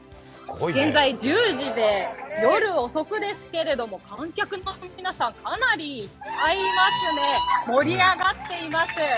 現在１０時で、夜遅くですけれども観客の皆さんかなりたくさんいますね、盛り上がっています。